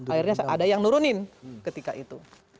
akhirnya ada yang nurunin ketika itu